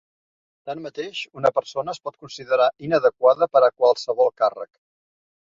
Tanmateix, una persona es pot considerar inadequada per a qualsevol càrrec.